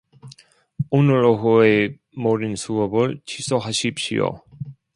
오늘 오후의 모든 수업을 취소하십시오.